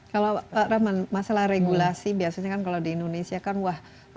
kalau pak rahman masalah regulasi biasanya kan kalau di indonesia kan wah